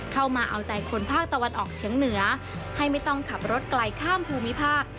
มาเอาใจคนภาคตะวันออกเฉียงเหนือให้ไม่ต้องขับรถไกลข้ามภูมิภาค